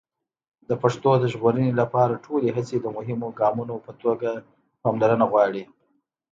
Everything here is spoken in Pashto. د پښتو د ژغورنې لپاره ټولې هڅې د مهمو ګامونو په توګه پاملرنه غواړي.